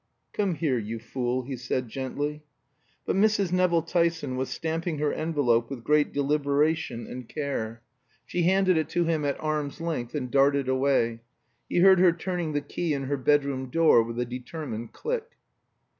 "Come here, you fool," he said gently. But Mrs. Nevill Tyson was stamping her envelope with great deliberation and care. She handed it to him at arm's length and darted away. He heard her turning the key in her bedroom door with a determined click.